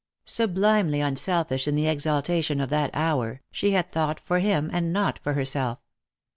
Sublimely unselfish in the exalta tion of that hour, she had thought for him and not for herself.